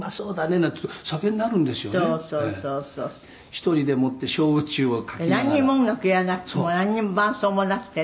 「なんにも音楽やらなくてもなんにも伴奏もなくてね」